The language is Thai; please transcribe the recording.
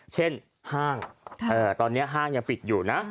ห้างตอนนี้ห้างยังปิดอยู่นะ